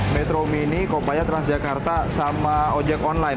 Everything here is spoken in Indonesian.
metro mini kopaya transjakarta sama ojek online